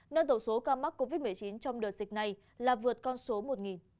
nâng tổ số ca mắc covid một mươi chín trong đợt dịch này là vượt con số một